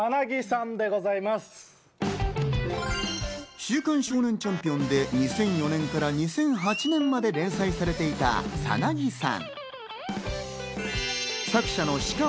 『週刊少年チャンピオン』で２００４年から２００８年まで連載されていた『サナギさん』。